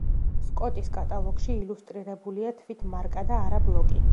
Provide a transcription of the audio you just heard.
სკოტის კატალოგში ილუსტრირებულია თვით მარკა და არა ბლოკი.